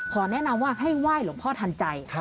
แนะนำว่าให้ไหว้หลวงพ่อทันใจ